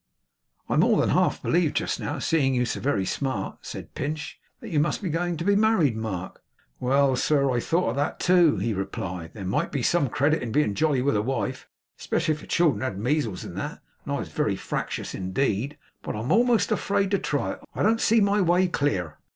'I more than half believed, just now, seeing you so very smart,' said Pinch, 'that you must be going to be married, Mark.' 'Well, sir, I've thought of that, too,' he replied. 'There might be some credit in being jolly with a wife, 'specially if the children had the measles and that, and was very fractious indeed. But I'm a'most afraid to try it. I don't see my way clear.